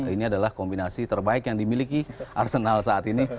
ini adalah kombinasi terbaik yang dimiliki arsenal saat ini